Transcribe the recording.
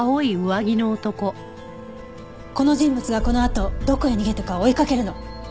この人物がこのあとどこへ逃げたか追いかけるの。